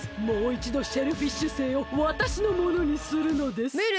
もういちどシェルフィッシュ星をわたしのものにするのです。